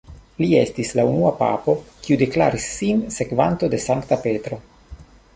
Li estis la unua papo kiu deklaris sin sekvanto de Sankta Petro.